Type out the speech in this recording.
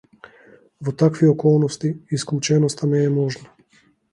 Во такви околности исклученоста не е можна.